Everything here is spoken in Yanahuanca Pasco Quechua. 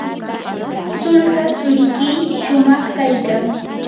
sulka tsurikiy shumaq kaykan.